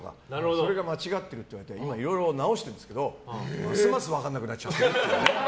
それが間違ってるって言われていろいろ直してるんですけどますます分かんなくなっちゃって。